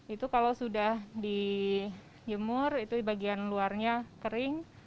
itu kalau sudah dijemur itu bagian luarnya kering